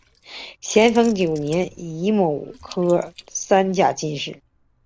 咸丰九年己未科三甲进士。